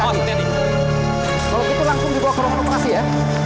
kalau gitu langsung dibawa ke rumah operasi ya